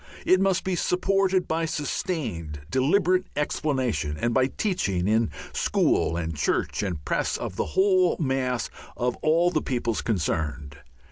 It must be supported by sustained, deliberate explanation, and by teaching in school and church and press of the whole mass of all the peoples concerned.